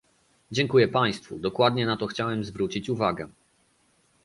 Dziękuję państwu, dokładnie na to chciałem zwrócić uwagę